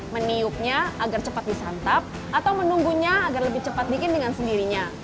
meniupnya agar cepat disantap atau menunggunya agar lebih cepat bikin dengan sendirinya